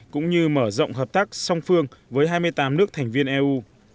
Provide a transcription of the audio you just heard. cũng như mở rộng hợp tác song phương với hai mươi tám nước thành viên eu